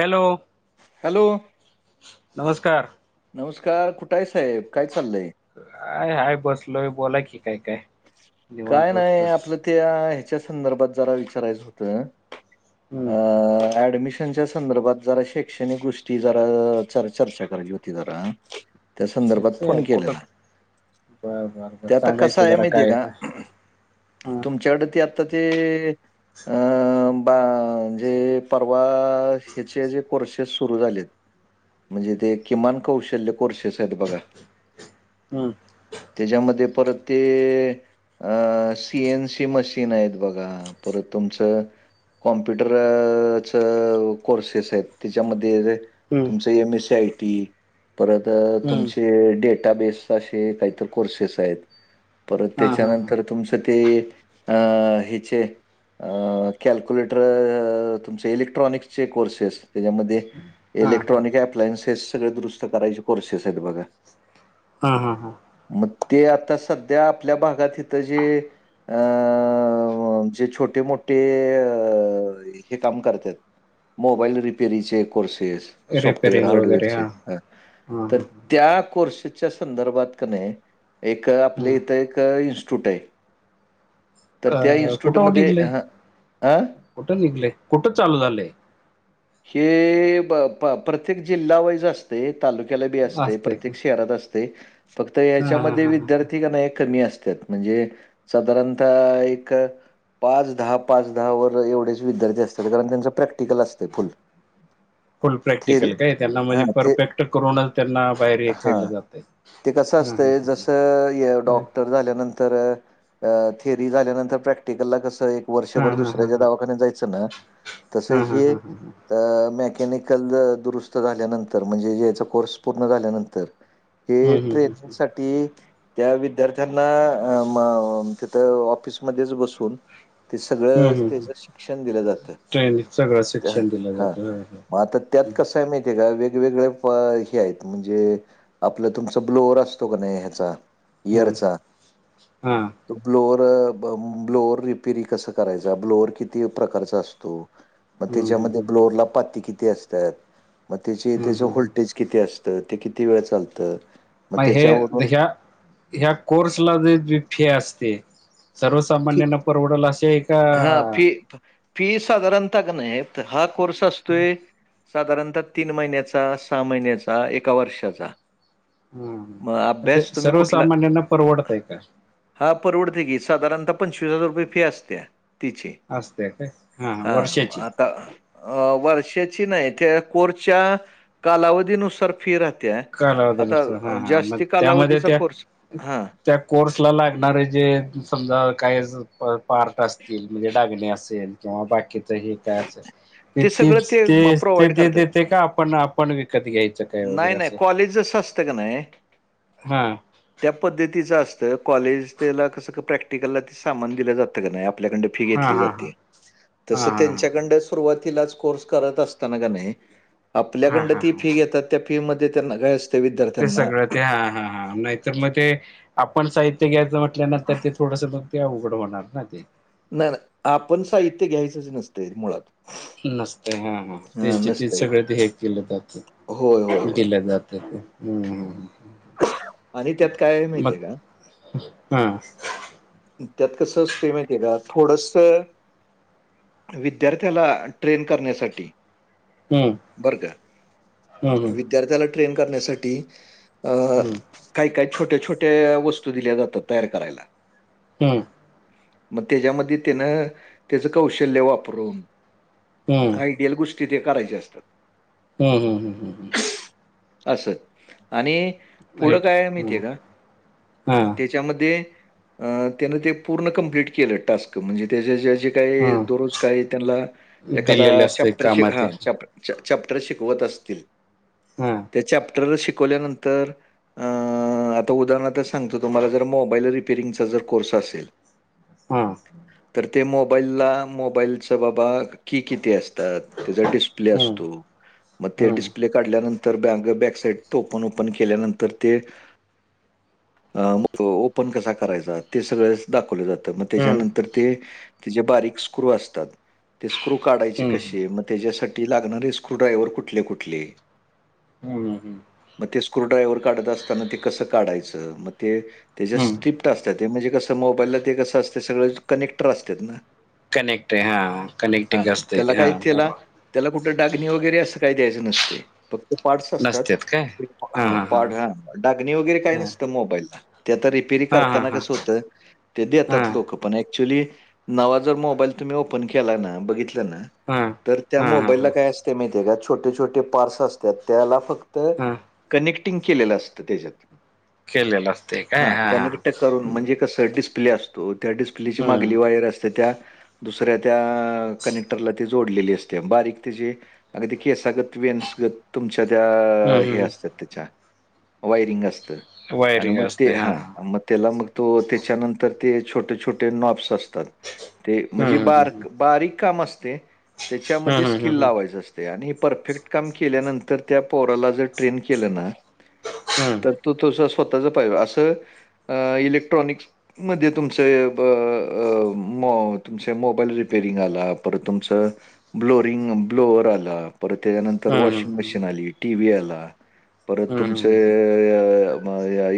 Hello. Hello. नमस्कार. नमस्कार कुठं आहे साहेब काय चाललय. आहे आहेय बसलोय बोला की काय काय. निवांत काय नाही बसलोय आपलं त्या ह्याच्या संदर्भात जरा विचारायचं होतं. हम्म अ ॲडमिशन. त्याच्या संदर्भात जरा शैक्षणिक गोष्टी जरा चर्चा करायची होती जरा त्या संदर्भात सक्से फोन आहे कुठं केलेला बर बर ते बर आता सांगा कसा की आहे जरा मी माहितेय काय का आहे हं तुमच्याकड ते आता ते अ बा म्हजे परवा ह्याचे जे कोर्सेस सुरू झालेत. म्हणजे ते किमान कौशल्य कोर्सेस आहेत बघा. हम्म. त्याच्यामध्ये परत ते अ सीएन सी मशीन आहेत बघा परत तुमचं कॉम्प्युटर च कोर्सेस आहेत त्याच्यामध्ये जे हं तुमच एम एसी आय टी परत हं तुमचे डेटा त्या बेस काही तसे कोर्सेस आहेत परत हा हा हा त्याच्यानंतर तुमच ते अ हेचे अ कॅल्क्युलेटर तुमचे इलेक्ट्रॉनिक्सचे कोर्सेस त्याच्यामध्ये हा हा इलेक्ट्रॉनिक अप्लायन्सेस सगळे दुरुस्त करायचे कोर्सेस आहेत बघा. हा हा हां. मग ते आता सध्या आपल्या भागात इथं जे अ जे छोटे मोठे हे काम करत्यात. मोबाईल रिपेरीचे कोर्सेस. सॉफ्टवेअर रिपेरिंग वगैरे हार्डवेअरचे हा हा तर हा त्या कोर्सस च्या संदर्भात कानिय एक आपल्या हा इथ एक इस्ट्यूट आहे. तर अ त्या कुठं इन्स्टिट्यूटमध्ये निघलंय हा हा? कुठं निघलय कुठं चालू झालंय? हे ब प्रत्येक जिल्हा वाईज असत. तालुक्याला अस असतंय का प्रत्येक शहरात असते फक्त हा हा याच्यामध्ये हा हा विद्यार्थी कमी असत म्हणजे साधारणत एक पाच दहा पाच दहा वर एवढेच विद्यार्थी असतात कारण त्यांचं प्रॅक्टिकल असते फुल फुल थेरी प्रॅक्टिकल काय त्यांना म्हणजे हां ते परफेक्ट करूनच त्यांना बाहेर हे केलं हां. जातं. ते कसं असतंय जस हा डॉक्टर झा प्र [inaudible] हा वर्षभर हा हा दुसऱ्याच्या हा दावाखान्या जायचं ना तस हा हा हे हा ह तर मॅकॅनिकल दुरुस्त झाल्यानंतर म्हणजे याचा कोर्स पूर्ण झाल्यानंतर हम्म हे हम्म हम्म ट्रेनिंग साठी त्या वि विद्यार्थ्यांना तिथं ऑफिसमध्येच बसून ते हम्म सगळं हम्म त्याच हम्म शिक्षण दिलं जात ट्रेन सगळं शिक्षण दिलं हा जातं ह मग आता त्यात कसंय माहिती आहे का वेगवेगळेया प हे आहेत म्हणजे आपलं तुमच ब्लोअर असतो का नाही ह्याचा, ह इयरचा. हा तो ब्लोअर, ब्लोअर रिपेरी कस करायचा, ब्लोअर किती प्रकारचा असतो. म हम्म हम्म त्याच्यामध्ये हम्म ब्लोअरला पाती किती असत्यात मग तेची हम्म तेज्या हम्म हम्म होल्टेज किती असत ते किती वेळ चालतं. मग हे ह्या ह्या कोर्सला वेगळी फी असते. सर्वसामान्यांना परवडल असे का हा फी फी साधारणतः का नाही हा कोर्स असतोय साधारणतः तीन महिन्याचा सहा महिन्याचा एका वर्षाचा हम मग ते अभ्यास तुम्ही सर्वसामान्यांना परवडतय का? हा परवडते की साधारणता पंचवीस हजार रुपये फी असत्या. तिची, असते काय हा वर्षाची आता अ वर्षाची नाही त्या कोरच्या कालावधीनुसार फि रा त्या, कालावधी आता नसतो हा हा मग जास्ती त्यामध्ये कालावधीचा त्या खर्स, हा. त्या कोर्स ला लागणारे जे समजा काय पार्ट असतील म्हणजे डागणे असेल किंवा बाकीचही काय असेल. ते ति सगळं [unintelligible] म ते ते प्रोव्हाईड ते करतात. देते का आपण आपण विकत घ्याय नाही नाही कॉलेजच असतं का नाही हा. त्या पद्धतीचं असतं कॉलेज त्याला कसं प्रॅक्टिकलला ते सामान दिलं जातं का नाही आपल्याकड फी हा घेतली हा हा जाते, हा तसं हा त्यांच्या कडनच हा हा हा हा [unintelligible] त्या फी मध्ये त्यांना काय ते विद्यार्थ्यांना सगळं ते हा हा हां नाही. तर मग ते आपण साहित्य घ्यायचं म्हटल्यानंतर ते थोडस म ते अवघड होणार ना ते. ना ना आपण साहित्य घ्यायचंच नसतं मुळात. नसत हा हा हां, त्यांचे तेच नसतंय. सगळ ते हे केलं जात, होय, होय, होय. दिल जात ते. हम्म ह. आणि त्यात काय हाय माहतीय का? हम. त्यात कसं असतय माहिती आहे का थोडस विद्यार्थ्याला ट्रेन करण्यासाठी. हं बर का, हं हं विद्यार्थ्याला ट्रेन करण्यासाठी अ, हम्म. काही-काही छोट्या-छोट्या वस्तू दिल्या जातात तयार करायला. हम्. मग त्याच्यामध्ये त्यानं त्याचं कौशल्य वापरून हं हं आयडियल गोष्टी ते करायच्या असतात. हम् हम ह् ह. अस आणि पुढं राईट काय माती हं आहे का? हां त्या मध्ये, त्यानं पूर्ण कंपलीट केलं टास्क म्हणजे त्या जे जे काय हां दरोज काही त्यांना, एखादा दिलेले असते चप्टर कामात ते हा चाप चॅप्टर शिकवत असतील. हम्. त्या चॅप्टर शिकवल्यानंतर, अ आता उदाहरणारच सांगतो तुम्हाला जर मोबाईल रिपेरिंगचा जर कोर्स असेल हम्म. तर ते मोबाईलला मोबाईलच बाबा की किती असतात त्याचा डिस् प्ले हं असतो, मग ते हं डिस्प्ले काढल्यानंतर ब बॅकसाईड टोपन ओपन केल्यानंतर ते अ म ओपन कसा करायचा ते सगळंच दाखवलं जातं मग हं त्याच्यानंतर ते, तिझे बारीक स्क्रू असतात, ते स्क्रू काढायचे हं कशे मग त्याच्यासाठी ते लागणारे स्क्र डायव्हर कुठले कुठले ह ह हं मग ते स्क्रूड्रायव्हर काढत असताना ते कसं काढायचं मग ते हं त्याच्याप असतात म्हणजे कस मोबाईलला ते कसं असते सगळ कनेक्टर असतात ना. कनेक्ट हा कनेक्टिंग हां, असतय त्याला ते हा काय त्याला म्हणून. त्याला कुठं डगणी वगैरे असं काय द्यायचं नसते फक् पार्टस असतात नसतात काय हां हा हां लागण्यावर काय हां नसतं मोबाईलला हां हां करताना हां कस होत ते देतात हां लोक पण ऍक्च्युली नवा जर मोबाईल तुम्ही ओपन केला ना बघितला ना हम् तर त्या मोबाईलला काय असते माहिती का छोटे छोटे पार्टस असतात त्याला फक्त हां कनेक्ट िंग केलेलं असतं त्याच्यात खेलेला असते हा काय हां हां कनेक्ट करून म्हणजे कसं डिस्प्ले असतो त्या डिस्प्लेची मागली हं वायर असते त्या दुसऱ्या त्या कनेक्टरला ती जोडलेली असते बारीक त्याची अगदी क सगत वन्सगत तुमच्या त्या हं हे हं असत त्याच्या वायरिंग असत वयरिंग असते हां हा हां मग त्याला मग त त्याच्यानंतर ते छोटे छोटे नॉप्स असतात ते हं म्हणजे हं बार हं बारीक काम असते त्याच्यामध्ये स्किल डिझेल लावायच असते आणि परफेक्ट काम केल्यानंतर त्या पोराला जर ट्रेन केलं ना तर तो तस स्वतःच पाहिज असं इलेक्ट्रॉनिक्स मध्ये तुमच तुमचे मोबाईल रिपेरिंग आला पर तुमचं ब्लोरिंग ब्लोअवर आला परत त्याच्यानंतर वॉशिंग मशीन आली टी व्ही आला परत तुमचे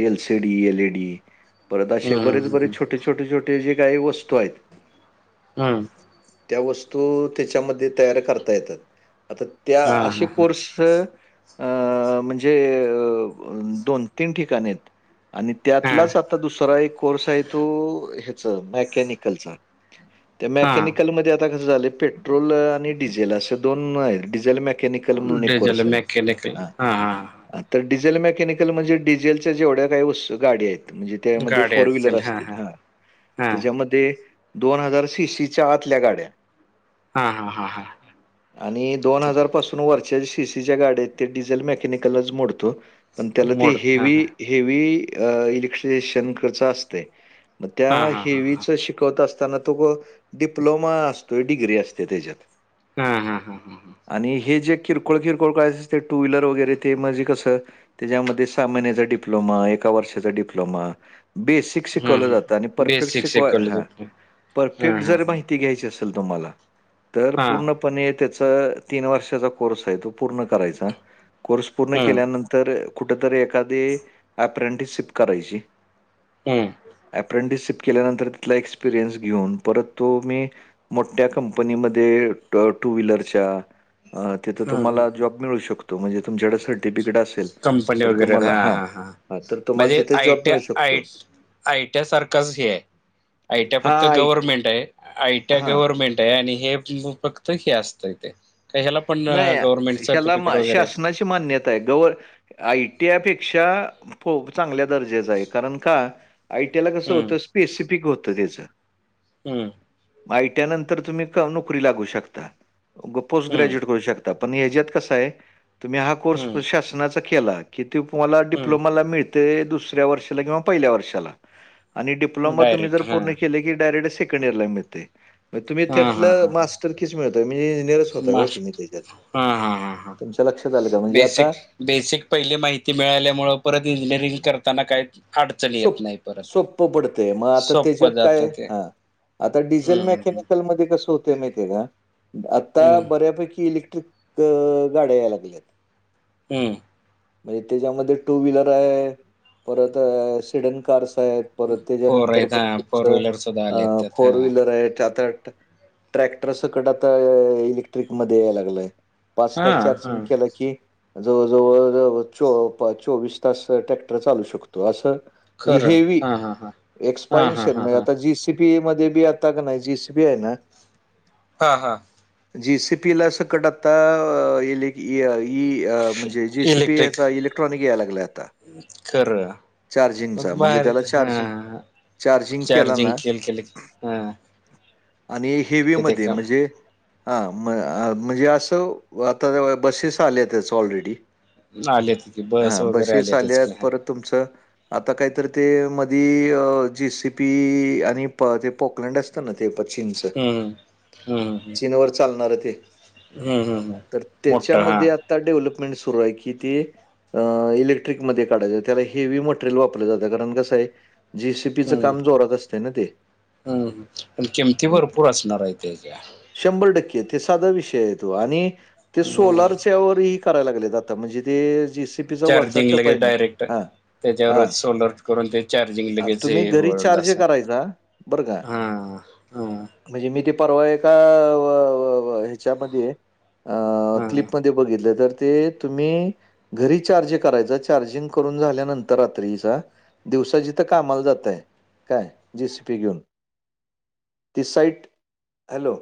एलसीडी एलईडी परत असे बरेच बरेच छोटे छोटे छोटे जे काही वस्तू आहेत हम्म त्या वस्तू त्याच्यामध्ये तयार करता येतात आता त्या असे कोर्स अस अ म्हणजे अ दोन तीन ठिकाण आहेत आणि त्यातलाच आता दुसरा एक कोर्स आहे तो ह्याच मॅकॅनिकलचा त्या मेकॅनिकलमध्येध्ये आता कसं झालं पेट्रोल आणि डिझेल असे दोन डिझेल म निकल म्हणून एक कोर्स आहे मेकॅनिकल हां हां हा आ तर डिझेल मेकॅनिकल म्हणजे डिझेलच्या जेवढ्या काही वस् गाडी आहेत म्हणजे त्यामध्ये गाडी फोर व्लर हां असतील हां हा हां त्याच्यामध्ये दोन हजार सीशीीच्या आतल्या गाड्या हा हा हा हा ह आणि दोन हजार पासून वरच्या सीसीच्या गाडत ते डिझेल मेकॅनिकलच मोडतो पण त्याला ते मोड हां हेवी हां हेवी इ अस म हां हां हां हां त्यावीच शिकवत अस असताना तो डिप्लोमा असतोय डिग्री असते त्याच्यात हा हा हा हम ह आणि हे जे किरकोळ किरकोळ कळायचं ते टू व्हीलर वगैरे ते म्हणजे कसं त्याच्यामध्ये सहा महिन्याचा डिप्लोमा ए वर्षाचा डिप्लोमा बेसिक व ज परेक् श बेसिक शिकवलं जातं हां परफेक् हां जर हां माहिती घ्याय तमला तर हां पूर्ण पण त्याचा तीन वर्षाचा कोर्स आहे तो पूर्ण करायचा कोर्स पूर्ण हां हां केल्यानंतर तर कुठेतरी एखादी अप्रेंटिसशिप करायची हम्म अप्रेंटिसशिप केल्यानंतर तिथला एक्सपिरियन्स घेऊन परत तो मी मोठ्या कंपनीमध्ये ट टू व्हीलरच्या तिथं तुम्हाला हां जॉब मिळू शकतो म्हणजे तुमच्याकडे सर्टिफिकेट असेल तर तुम्हाला हां हां, तर तुम्हाला म्हणजे तिथे जॉब आयटी मिळू शकतो. आय आय टी सारखच ही आहे. आय टी आय हां, फक्त आयटी गव्हर्नमेंट आयटी हां. गव्हर्नमेंट आहे आणि हे फक्त हे असत ते का ह्या पण नाही गव्हर्नमेंट ह्याला सर्टिफिकेट मा- वगैरे आहे. मान्यता आहे ग आयटीआपेक्षा चांगल्या दर्जाचं आहे कारण का आयटीआला कसं हम्म होत. स्पेसिफिक होतं त्याचं हम्म आयटनंतर तुम्ही नोकरी लागू शकता्? हम्म णच्यात क तुम्ही हा कोर्स हम्म शाशनाचा केला. कि ते मला हम्म डिप्लोमाला मिळते दुसऱ्या वर्षाला किंवा पहिल्या वर्षाला आणि डिप्लोमा तुम्ही डायरेक्ट जर हां पूर्ण केले की डायरेक्ट सेकंड इयरला मिळते मग तुम्ही हां तिथले हां हां मास्टर तरकीच मिळतंय म्हणजेरस होतय हो तुम् हा हा हा हा आलं का म्हणजे बेसिक आता बेसिक पहिली माहिती मिळाल्यामुळ परत इंजिनिअरिंग करताना काय अडचणी येत नाही परत मग सोप्प पडतेय मग आता त्याच्यात सोपं काय जातं ते हा आता डिझेल हम्म हम्म हम्म मेकॅनिकलमध्ये कसं होत. मा का आता हम्म बऱ्यापैकी इलेक्ट्रिक गाड्या यायला लागल्यात. हम्म म्हणजे त्याच्यामध्ये टू व्हीलर आहे परत सिडन कारस आहेत. परत फोर त्याच्यानंतर आहेत पण हां फोर तुमचं व्हीलर सुद्धा आले आहेत अ त्यात फोर हां व्हीलर आहेात. ट्रॅक्टर सकट आता इलेक्ट्रिक मध्ये यायला लागलंय पाच तास हां चार्जिंग हां केलं की, जवळ जवळ च चोवीस तास ट्रॅक्टर चालू शकतो असं ह खरं हे हां हां हां हा हा एक्सपान्सण हा हा म्हणजे आ सीपी मध्ये बी आता का नाही जीसीपी आहे ना हा हा जी सी पी ला सकट आता, ई अ म्हणजे जे सीपी याचा इलेक्ट्रॉनिक यायला लागला आता खर चार्जिंगचा बा म्हणजे त्याला हा चार्जिंग केला चार्जिंग ना केले केले हां. आणि हेवीमध्ये म्हणजे हा म म्हणजे असं आता बसेस आल्या त्याच ऑलरेडी आलेत की बस वगैरे आलेतच की, तुमच आता काहीतरी ते मधी जेसीपी आणि ते पॉकलंड असतं ना ते प्चिन्स हम्म हम्म हम्म चीनवरर चालणार आहे ते हम्म हम्म हम्म तर मोठं हा त्याच्यामध्ये आ आ डेव्हलपमेंट सुरु आहे कि ते इलेक्ट्रिक मध्ये काढय त्याला हे मो वापर जात कारण कसय जीसीपीच हम्म काम जोरात असते ना ते हम्म ह प किमती भरपूर असणार आहे ते का शंभर टक्के ते साधा विषय आहे तो आणि ते हम्म सोलारच्या वही करायला लागले. आता म्हणजे ते जेसीपीचा वरचा टप आहे ना हा त्याच्यावर सोलर करून ते चार्जिंग लगेच तुम्ही हे घरी वळल. चार्ज करायचा बरं का हा हा म्हणजे मी ते परवा आहे का ह्याच्यामध्ये अ हा क्लिपमध्ये ब तुम् घरी चार्ज कराय चार्जिंग करून झाल्यानंत रात्रीचा दिवसाची तर कामाला जातय काय जेसीपी घेऊन ती साईट हॅलो